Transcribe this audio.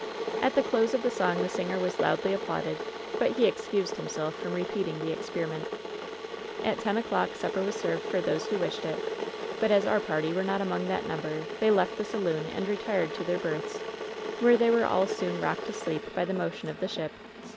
At the close of the song the singer was loudly ap plauded; but he excused himself from repeating the ex periment. . At ten o^dock supper was served for those who wished it; but as our party were not among that number they left the saloon and retired to their berths, where they were all soon rocked asleep by the inotion of the ship.